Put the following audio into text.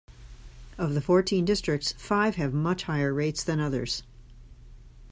Of the fourteen districts, five have much higher rates than others.